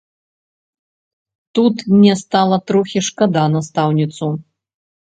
Тут мне стала трохі шкада настаўніцу.